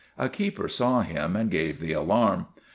A keeper saw him and gave the alarm.